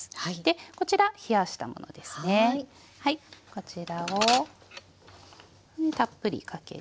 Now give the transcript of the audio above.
こちらをたっぷりかけて。